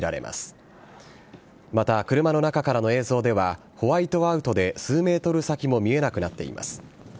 また車の中からの映像では、ホワイトアウトで数メートル先も見えなくなっています。